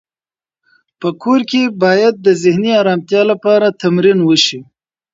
په کور کې باید د ذهني ارامتیا لپاره تمرین وشي.